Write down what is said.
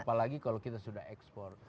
apalagi kalau kita sudah ekspor